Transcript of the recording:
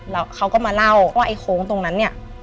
แล้วเขาก็มาเล่าว่าไอ้โค้งตรงนั้นเนี่ย